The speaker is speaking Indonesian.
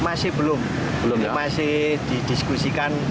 masih belum masih didiskusikan